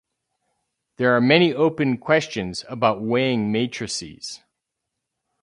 There are many open questions about weighing matrices.